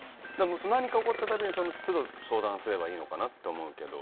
何か起こったたびに、その都度相談すればいいのかなって思うけど。